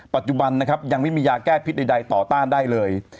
ปัจจุบันนะครับยังไม่มียาแก้พิษใดต่อต้านได้เลย